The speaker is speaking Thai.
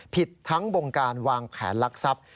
ผิดทั้งวงการวางแผนลักทรัพย์